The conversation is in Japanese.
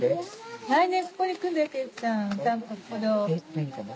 何かな？